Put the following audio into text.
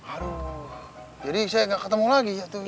aduh jadi saya gak ketemu lagi ya tuh